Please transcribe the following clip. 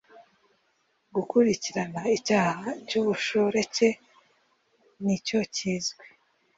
gukurikirana icyaha cy ubushoreke n icyo kizwi